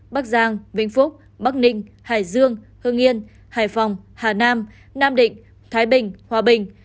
bắc giang vĩnh phúc bắc ninh hải dương hương yên hải phòng hà nam nam định thái bình hòa bình